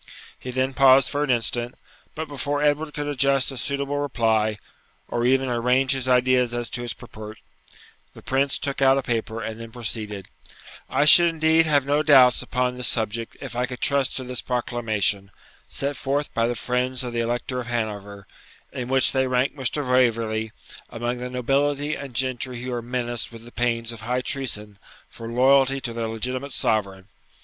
He then paused for an instant; but before Edward could adjust a suitable reply, or even arrange his ideas as to its purport, the Prince took out a paper and then proceeded: 'I should indeed have no doubts upon this subject if I could trust to this proclamation, set forth by the friends of the Elector of Hanover, in which they rank Mr. Waverley among the nobility and gentry who are menaced with the pains of high treason for loyalty to their legitimate sovereign.